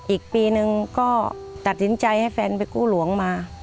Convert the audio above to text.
อีกปีนึงก็ตัดสินใจให้แฟนไปกู้หลวงมา